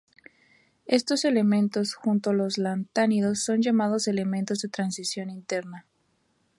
Estos elementos, junto con los lantánidos, son llamados "elementos de transición interna".